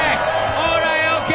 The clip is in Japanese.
オーライＯＫ！